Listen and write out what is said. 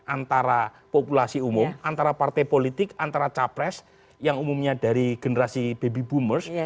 antara populasi umum antara partai politik antara capres yang umumnya dari generasi baby boomers